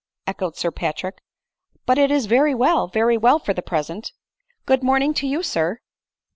" echoed Sir Patrick —" but it is very well — very well for the present — Good morning to you, sir